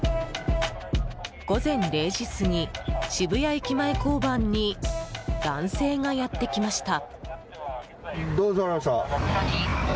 午前０時過ぎ、渋谷駅前交番に男性がやってきました。